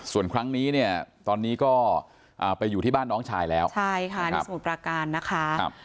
ส่วนครั้งนี้เนี่ยตอนนี้ก็ไปอยู่ที่บ้านน้องชายแล้วใช่ค่ะที่สมุทรปราการนะคะ